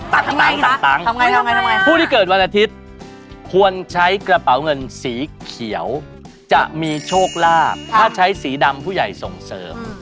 ตังค์ผู้ที่เกิดวันอาทิตย์ควรใช้กระเป๋าเงินสีเขียวจะมีโชคลาภถ้าใช้สีดำผู้ใหญ่ส่งเสริม